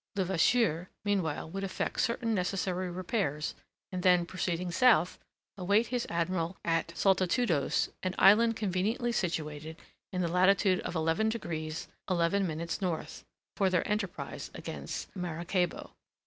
Levasseur meanwhile would effect certain necessary repairs, and then proceeding south, await his admiral at Saltatudos, an island conveniently situated in the latitude of 11 deg. 11' N. for their enterprise against Maracaybo.